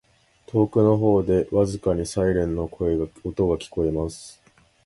•遠くの方で、微かにサイレンの音が聞こえます。